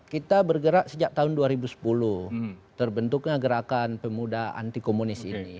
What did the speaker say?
kita bergerak sejak tahun dua ribu sepuluh terbentuknya gerakan pemuda anti komunis ini